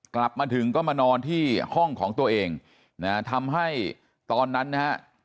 กลับมาถึงก็มานอนที่ห้องของตัวเองนะฮะทำให้ตอนนั้นนะฮะ